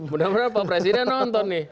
mudah mudahan pak presiden nonton nih